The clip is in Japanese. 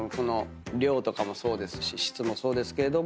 量とかもそうですし質もそうですけれども。